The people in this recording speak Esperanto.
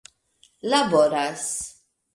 laboras